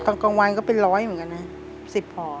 ตอนกองวันก็เป็น๑๐๐บาทเหมือนกันนะ๑๐ห่อ